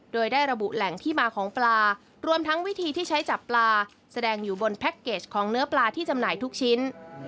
โดยได้ระบุแหล่งที่มาของปลารวมทั้งวิธีที่ใช้จับปลาแสดงอยู่บนแพ็คเกจของเนื้อปลาที่จำหน่ายทุกชิ้น